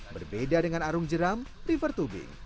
berbeda dengan arung jeram river tubing